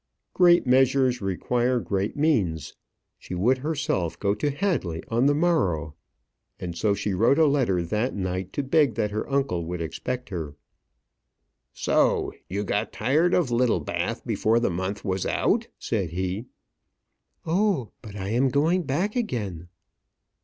Great measures require great means. She would herself go to Hadley on the morrow and so she wrote a letter that night, to beg that her uncle would expect her. "So; you got tired of Littlebath before the month was out?" said he. "Oh! but I am going back again."